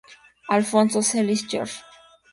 Alfonso Celis Jr.